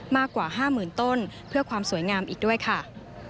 มากกว่า๕๐๐๐ต้นเพื่อความสวยงามอีกด้วยค่ะ